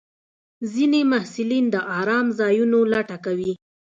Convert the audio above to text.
ځینې محصلین د ارام ځایونو لټه کوي.